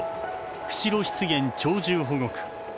釧路湿原鳥獣保護区。